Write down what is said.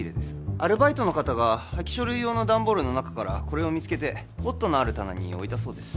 アルバイトの方が破棄書類用の段ボールの中からこれを見つけてポットのある棚に置いたそうです